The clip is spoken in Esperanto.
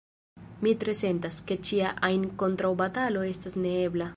Mi tre sentas, ke ĉia ajn kontraŭbatalo estas neebla.